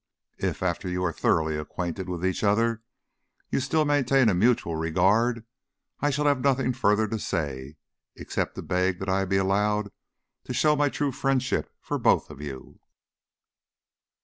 If, after you are thoroughly acquainted with each other, you still maintain a mutual regard I shall have nothing further to say except to beg that I be allowed to show my true friendship for both of you."